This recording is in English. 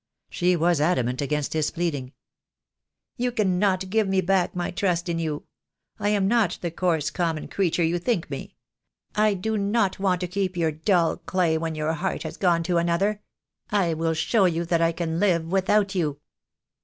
She was adamant against his pleading. "You cannot give me back my trust in you. I am not the coarse, common creature you think me. I do not want to keep your dull clay when your heart has gone to another. I will show you that I can live with out you."